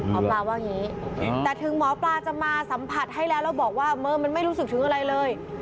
หมอปลาว่าอย่างนี้แต่ถึงหมอปลาจะมาสัมผัสให้แล้วแล้วบอกว่ามือมันไม่รู้สึกถึงอะไรเลย